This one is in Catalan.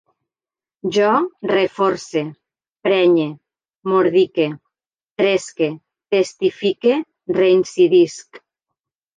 Jo reforce, prenye, mordique, tresque, testifique, reincidisc